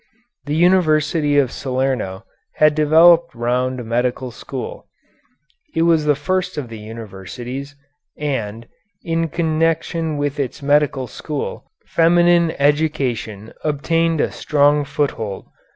The University of Salerno had developed round a medical school. It was the first of the universities, and, in connection with its medical school, feminine education obtained a strong foothold.